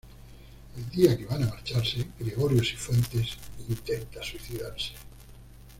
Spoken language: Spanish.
El día que van a marcharse, Gregorio Sifuentes intenta suicidarse.